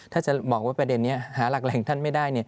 ถ้าจะบอกว่าประเด็นนี้หาหลักแหล่งท่านไม่ได้